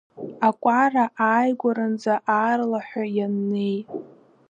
Акәара ааигәаранӡа аарлаҳәа ианнеи…